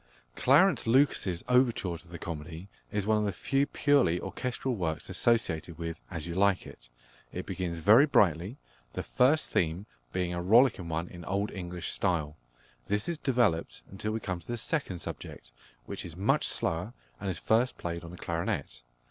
+Clarence Lucas's+ overture to the comedy is one of the few purely orchestral works associated with As You Like It. It begins very brightly, the first theme being a rollicking one in Old English style. This is developed until we come to the second subject, which is much slower, and is first played on the clarinet.